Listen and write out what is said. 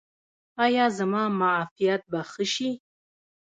ایا زما معافیت به ښه شي؟